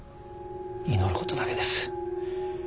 祈ることだけです。